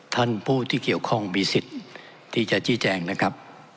ท่านผู้ที่เกี่ยวข้องมีสิทธิ์ที่จะชี้แจงนะครับ